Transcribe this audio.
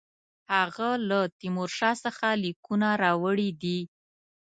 هغه له تیمورشاه څخه لیکونه راوړي دي.